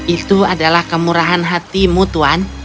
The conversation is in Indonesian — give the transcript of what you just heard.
itu adalah kemurahan hatimu tuan